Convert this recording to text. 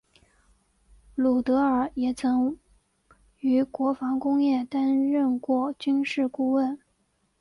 鲁德尔也曾于国防工业担任过军事顾问。